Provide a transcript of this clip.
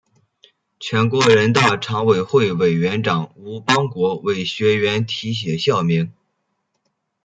全国人大常委会委员长吴邦国为学院题写校名。